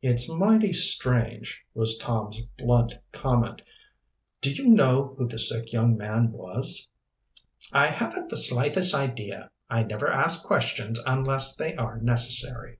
"It's mighty strange," was Tom's blunt comment. "Do you know who the sick young man was?" "I haven't the slightest idea. I never ask questions unless they are necessary."